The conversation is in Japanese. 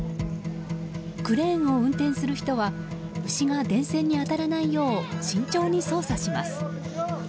クレーンを運転する人は牛が電線に当たらないよう慎重に操作します。